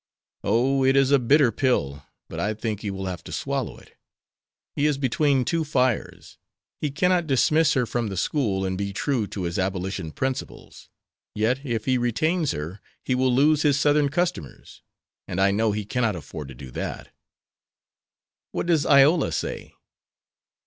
"Oh, it is a bitter pill, but I think he will have to swallow it. He is between two fires. He cannot dismiss her from the school and be true to his Abolition principles; yet if he retains her he will lose his Southern customers, and I know he cannot afford to do that." "What does Iola say?"